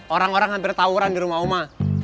orang orang hampir tauran di rumah oma